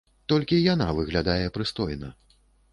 Толькі яна выглядае прыстойна.